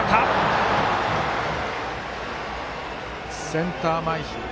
センター前ヒット。